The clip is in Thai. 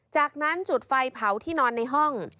จากนั้นจุดไฟเผาที่นอนในห้อง